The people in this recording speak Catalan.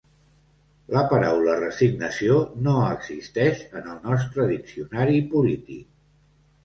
La paraula resignació no existeix en el nostre diccionari polític.